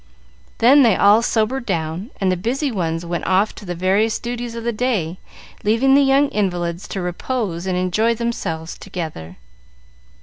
Then they all sobered down, and the busy ones went off to the various duties of the day, leaving the young invalids to repose and enjoy themselves together.